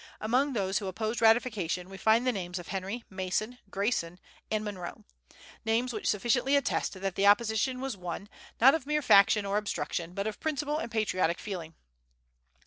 Among those who opposed ratification we find the names of Henry, Mason, Grayson, and Monroe, names which sufficiently attest that the opposition was one, not of mere faction or obstruction, but of principle and patriotic feeling.